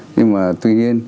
nhưng mà tuy nhiên